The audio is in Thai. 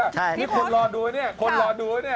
ใช่ไหมคุณรอดูนี่คุณรอดูนี่